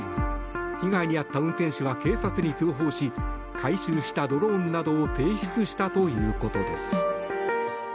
被害に遭った運転手は警察に通報し回収したドローンなどを提出したということです。